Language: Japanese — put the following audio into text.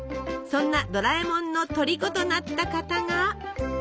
そんなドラえもんのとりことなった方が。